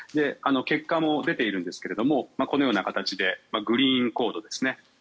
結果も出ているんですがこのような形でグリーンコードですね。